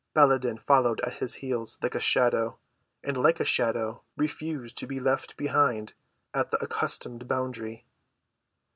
Baladan followed at his heels like a shadow, and like a shadow refused to be left behind at the accustomed boundary.